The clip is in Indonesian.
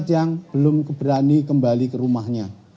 yang berani kembali ke rumahnya